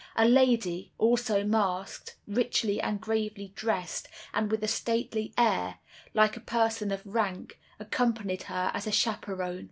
A lady, also masked, richly and gravely dressed, and with a stately air, like a person of rank, accompanied her as a chaperon.